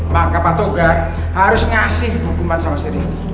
maka pak togar harus ngasih hukuman sama si rifki